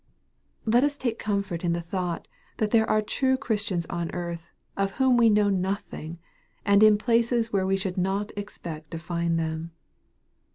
Let us take comfort in the thought that there are true Christians on earth, of whom we know nothing, and in places where we should not expect to find them.